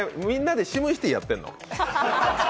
みんなで示してやってんの？